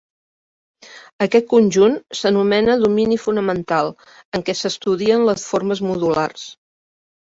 Aquest conjunt s'anomena domini fonamental en què s'estudien les formes modulars.